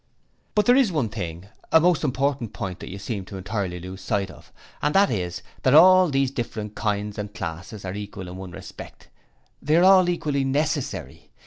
'But there is one thing a most important point that you seem to entirely lose sight of, and that is, that all these different kinds and classes are equal in one respect THEY ARE ALL EQUALLY NECESSARY.